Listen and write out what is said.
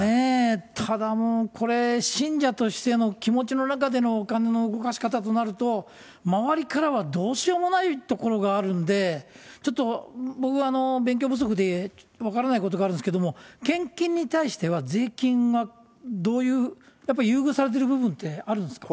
ただもうこれ、信者としての気持ちの中でのお金の動かし方となると、周りからはどうしようもないところがあるんで、ちょっと僕、勉強不足で分からないことがあるんですけど、献金に対しては、税金はどういう、やっぱり優遇されてる部分ってあるんですか？